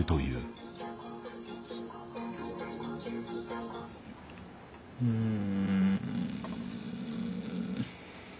うん。